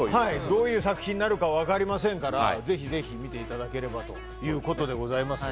どういう作品になるか分かりませんからぜひぜひ見ていただければということでございます。